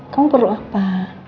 kamu perlu apa